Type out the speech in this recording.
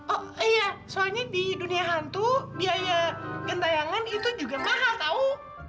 oh iya soalnya di dunia hantu biaya gentayangan itu juga mahal tau